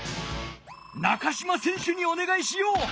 中島選手におねがいしよう！